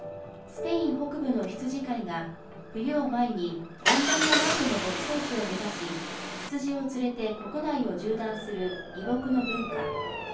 スペイン北部の羊飼いが冬を前に温暖な南部の牧草地を目指し羊を連れて国内を縦断する移牧の文化。